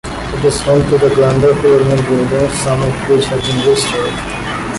It is home to the grander colonial buildings, some of which have been restored.